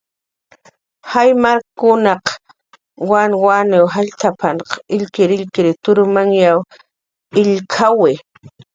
"Jaymarkkunaq wanwan jallkatp""t"" illkirillkir turmany illk""awi "